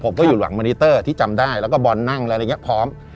อยู่หลังมอนิเตอร์ที่จำได้แล้วก็บอลนั่งอะไรอย่างนี้พร้อม